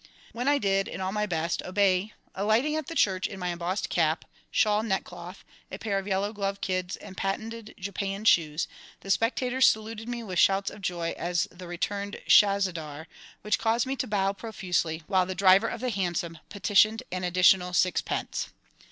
"] When I did, in all my best, obey, alighting at the church in my embossed cap, shawl neckcloth, a pair of yellow glove kids, and patented Japan shoes, the spectators saluted me with shouts of joy as the returned SHAHZADAR, which caused me to bow profusely, while the driver of the hansom petitioned an additional sixpence.